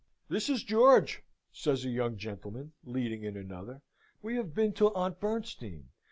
"This is George," says a young gentleman, leading in another. "We have been to Aunt Bernstein.